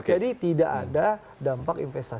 jadi tidak ada dampak investasi